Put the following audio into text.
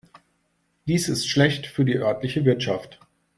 Dies ist schlecht für die örtliche Wirtschaft.